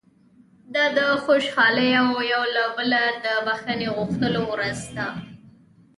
دا د خوشالۍ او یو له بله د بښنې غوښتلو ورځ ده.